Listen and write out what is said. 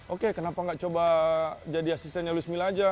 oke kenapa nggak coba jadi asistennya louis mila aja